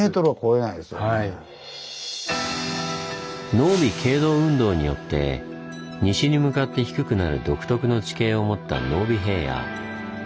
濃尾傾動運動によって西に向かって低くなる独特の地形を持った濃尾平野。